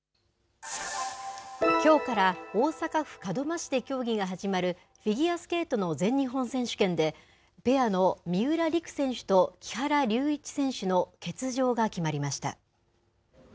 きょうから大阪府門真市で競技が始まるフィギュアスケートの全日本選手権で、ペアの三浦璃来選手と木原龍一選手の欠場が決まりました。